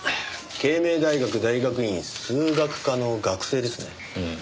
慶明大学大学院数学科の学生ですね。